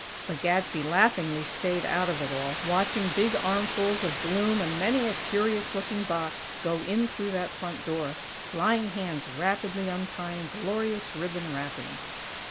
But Gadsby laughingly staid out of it all, watching big armfuls of bloom and many a curious looking box go in through that front door; flying hands rapidly untying glorious ribbon wrappings.